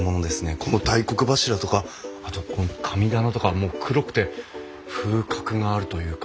この大黒柱とかあとこの神棚とかも黒くて風格があるというか。